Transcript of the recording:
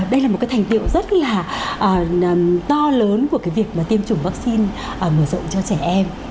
đây là một cái thành tiệu rất là to lớn của cái việc mà tiêm chủng vaccine mở rộng cho trẻ em